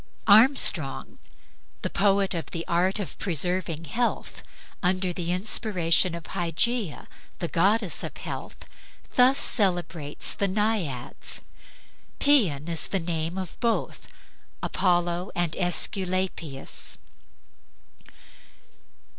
Armstrong, the poet of the "Art of preserving Health," under the inspiration of Hygeia, the goddess of health, thus celebrates the Naiads. Paeon is a name both of Apollo and Aesculapius.